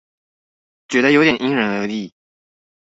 覺得有點因人而異